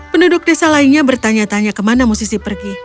penduduk desa lainnya bertanya tanya kemana musisi pergi